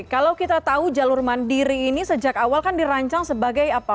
kalau kita tahu jalur mandiri ini sejak awal kan dirancang sebagai apa